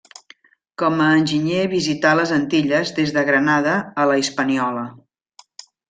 Com a enginyer visità les Antilles des de Grenada a la Hispaniola.